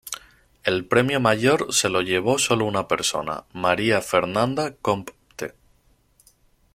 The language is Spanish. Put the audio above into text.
El premio mayor se lo llevó solo una persona, María Fernanda Compte.